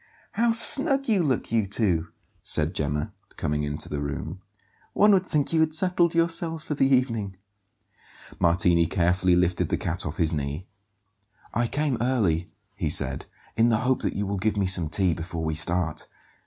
"How snug you look, you two!" said Gemma, coming into the room. "One would think you had settled yourselves for the evening." Martini carefully lifted the cat off his knee. "I came early," he said, "in the hope that you will give me some tea before we start.